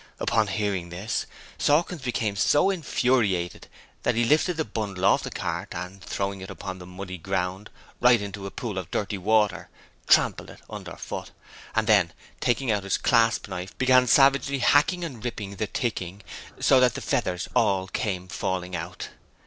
Upon hearing this, Sawkins became so infuriated that he lifted the bundle off the cart and, throwing it upon the muddy ground, right into a pool of dirty water, trampled it underfoot; and then, taking out his clasp knife, began savagely hacking and ripping the ticking so that the feathers all came falling out.